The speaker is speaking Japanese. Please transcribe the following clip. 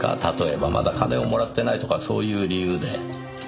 例えばまだ金をもらってないとかそういう理由で。